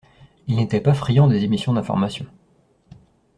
Il n’était pas friand des émissions d’information.